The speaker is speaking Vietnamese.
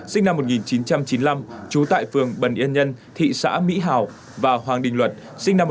sinh năm một nghìn chín trăm chín mươi năm trú tại phường bần yên nhân thị xã mỹ hào và hoàng đình luật sinh năm một nghìn chín trăm tám